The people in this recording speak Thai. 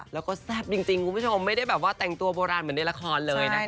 แล้วก็แซ่บจริงคุณผู้ชมไม่ได้แบบว่าแต่งตัวโบราณเหมือนในละครเลยนะคะ